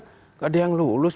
tidak ada yang lolos